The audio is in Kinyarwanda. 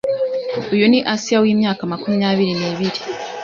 Uyu ni Assia w’imyaka makumyabiri ni biri